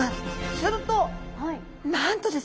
するとなんとですね